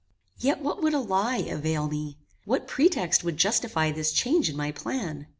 Yet what would a lie avail me? What pretext would justify this change in my plan?